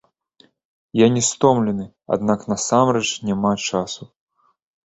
Я не стомлены, аднак насамрэч няма часу.